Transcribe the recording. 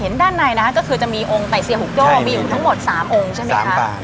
เห็นด้านในนะคะก็คือจะมีองค์แต่เซียหุกโจมีทั้งหมด๓องค์ใช่มั้ยค่ะ